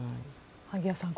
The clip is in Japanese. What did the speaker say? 萩谷さん